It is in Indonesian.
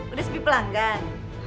udah sepi pelanggan